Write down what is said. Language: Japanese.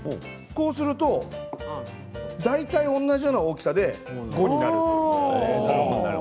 そうすると大体同じような大きさで５になる。